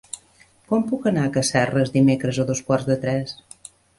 Com puc anar a Casserres dimecres a dos quarts de tres?